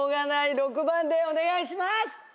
６番でお願いします。